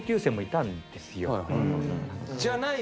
じゃない。